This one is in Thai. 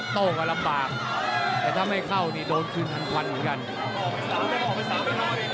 โต้กันลำบากแต่ถ้าไม่เข้านี่โดนคืนทันควันเหมือนกัน